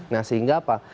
nah sehingga apa